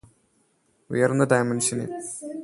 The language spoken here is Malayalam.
ഉയർന്ന ഡയമൻഷനിൽ